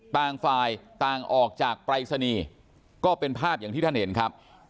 ต่างฝ่ายต่างออกจากปรายศนีย์ก็เป็นภาพอย่างที่ท่านเห็นครับ